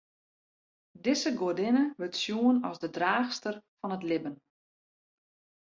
Dizze goadinne wurdt sjoen as de draachster fan it libben.